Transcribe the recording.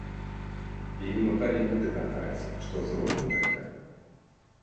І мы павінны даказаць, што зробім гэта.